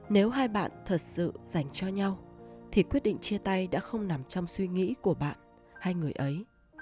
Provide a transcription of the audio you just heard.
nếu hai bạn thật sự dành cho nhau thì quyết định chia tay đã không nằm trong suy nghĩ của bạn hay người ấy